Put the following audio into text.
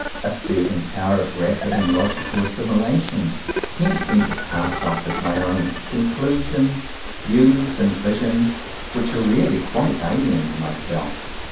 A certain power of rapid and logical assimu lation tempts me to pass off as my own con clusions views and visions which are really quite alien to myself.